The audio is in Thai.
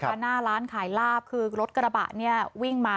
ข้างหน้าร้านขายลาบรถกระบะวิ่งมา